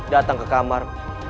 datang ke kamar